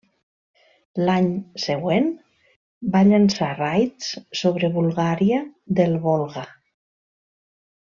L'any següent va llançar raids sobre Bulgària del Volga.